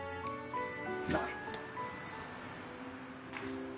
なるほど。